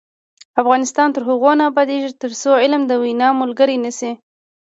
افغانستان تر هغو نه ابادیږي، ترڅو عمل د وینا ملګری نشي.